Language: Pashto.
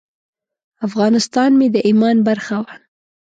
افغانستان مې د ایمان برخه وه.